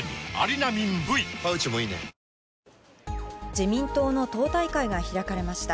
自民党の党大会が開かれました。